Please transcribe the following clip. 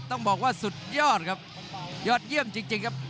ต้องบอกว่าสุดยอดครับยอดเยี่ยมจริงครับ